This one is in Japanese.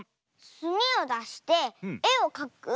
すみをだしてえをかく？